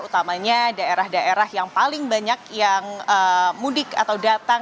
utamanya daerah daerah yang paling banyak yang mudik atau datang